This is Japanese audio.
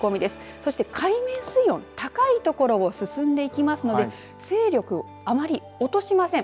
そして海面水温高い所を進んでいきますので勢力をあまり落としません。